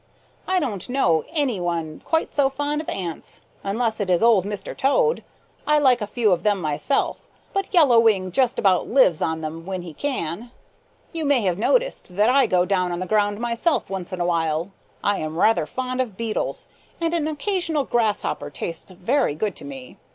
"I don't know of any one quite so fond of ants unless it is Old Mr. Toad. I like a few of them myself, but Yellow Wing just about lives on them when he can. You may have noticed that I go down on the ground myself once in a while. I am rather fond of beetles, and an occasional grasshopper tastes very good to me.